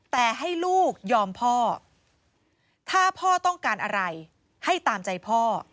แต่ให้ลูกยอมพ่อถ้าพ่อต้องการอะไรให้ตามใจพ่อ